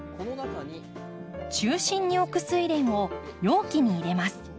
中心に置くスイレンを容器に入れます。